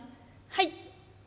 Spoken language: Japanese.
はい。